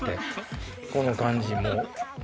この感じもう。